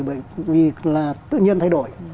bởi vì là tự nhiên thay đổi